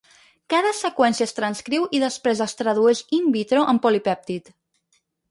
Cada seqüència es transcriu i després es tradueix "in vitro" en polipèptid.